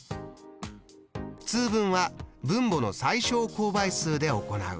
通分は分母の最小公倍数で行う。